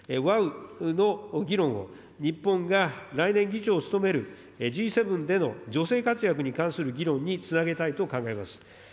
ＷＡＷ！の議論を日本が来年議長を務めるＧ７での女性活躍に関する議論につなげたいと考えます。